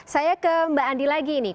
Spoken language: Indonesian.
saya ke mbak andi lagi nih